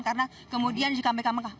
karena kemudian juga mereka mengambil